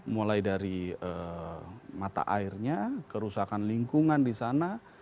mulai dari mata airnya kerusakan lingkungan di sana